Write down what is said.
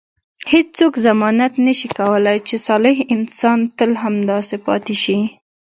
هیڅوک ضمانت نه شي کولای چې صالح انسان تل همداسې پاتې شي.